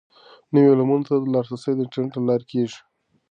نویو علومو ته لاسرسی د انټرنیټ له لارې کیږي.